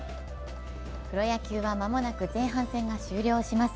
プロ野球は、間もなく前半戦が終了します。